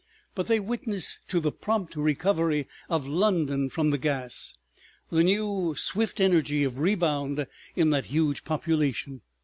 But they witness to the prompt recovery of London from the gas; the new, swift energy of rebound in that huge population.